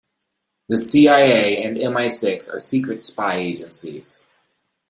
The CIA and MI-Six are secret spy agencies.